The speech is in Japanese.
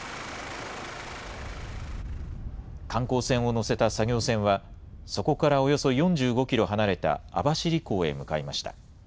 観光船を載せた作業船は、そこからおよそ４５キロ離れた網走港へ向かいました。